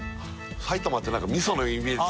埼玉って何か味噌のイメージ